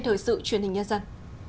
thời sự truyền hình nhân dân